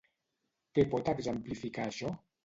Què pot exemplificar això?